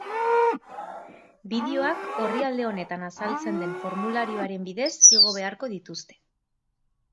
Bideoak orrialde honetan azaltzen den formularioaren bidez igo beharko dituzue.